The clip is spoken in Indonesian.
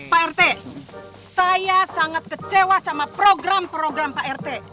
pak rt saya sangat kecewa sama program program pak rt